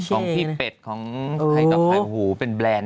ของพี่เป็ดของใครต่อใครโห่เป็นแบรนด์